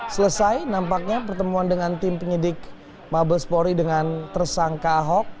selesai nampaknya pertemuan dengan tim penyidik mabespori dengan tersangka ahok